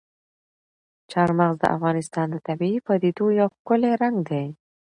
چار مغز د افغانستان د طبیعي پدیدو یو ښکلی رنګ دی.